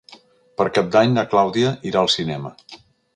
Per Cap d'Any na Clàudia irà al cinema.